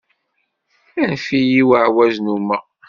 Anef-iyi, i ɛawaz nnumeɣ.